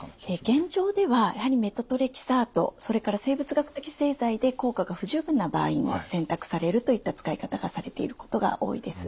現状ではやはりメトトレキサートそれから生物学的製剤で効果が不十分な場合に選択されるといった使い方がされていることが多いです。